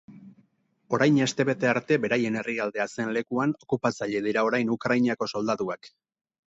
Orain astebete arte beraien herrialdea zen lekuan okupatzaile dira orain ukrainako soldaduak.